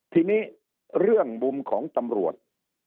ทีนี้เรื่องมุมของตำรวจ